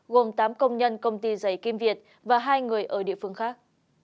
gồm tám công nhân công ty giấy kim việt và hai người ở địa phương khác